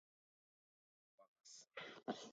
More often than not it works.